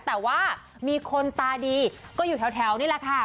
แต่ว่ามีคนตาดีก็อยู่แถวนี่แหละค่ะ